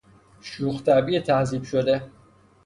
شوخ طبعی تهذیب شده